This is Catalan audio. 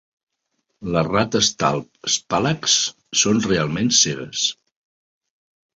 Les rates talp 'Spalax' són realment cegues.